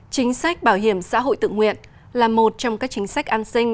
chính sách bảo hiểm xã hội tự nguyện là một trong các chính sách an sinh